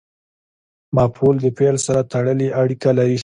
مفعول د فعل سره تړلې اړیکه ښيي.